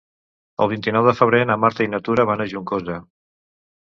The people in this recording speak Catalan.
El vint-i-nou de febrer na Marta i na Tura van a Juncosa.